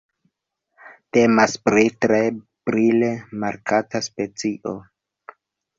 Temas pri tre brile markata specio.